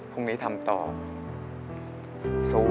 พรุ่งนี้ทำต่อสู้